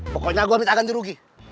pokoknya gue minta ganti rugi